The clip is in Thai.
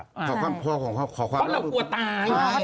ขอความรับทุกค่ะเพราะเรากลัวตาย